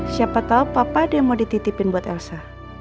siapa tahu papa dia mau dititipin buat elsa